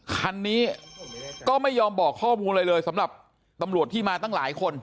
คันนี้ก็ไม่ยอมบอกข้อมูลอะไรเลยสำหรับตำรวจที่มาตั้งหลายคน